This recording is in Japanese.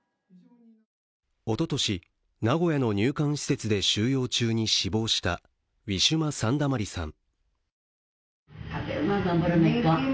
おととし、名古屋の入管施設で収容中に死亡したウィシュマ・サンダマリさん。